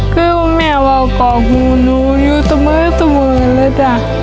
คือแม่ว่าของหนูอยู่เสมอแล้วจ้ะ